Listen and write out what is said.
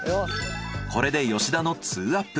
これで吉田の２アップ。